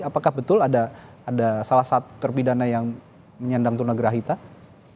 apakah betul ada salah satu terpidana yang menyandang tunagrahita